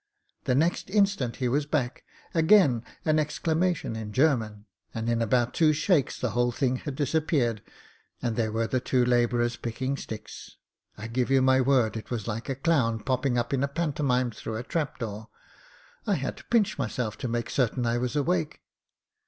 The next instant he was back, again an exclamation in German, and in about two shakes the whole thing had disappeared, and there were the two labourers picking sticks. I give you my word it was like a clown popping up in a pantomime through a trap door; I had to pinch myself to make certain I was awake.